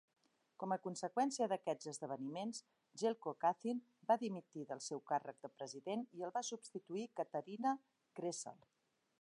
Com a conseqüència d'aquests esdeveniments, Jelko Kacin va dimitir del seu càrrec de president i el va substituir Katarina Kresal.